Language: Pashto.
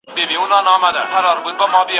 هغه راغی لکه خضر ځلېدلی